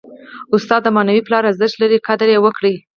استاد د معنوي پلار ارزښت لري. قدر ئې وکړئ!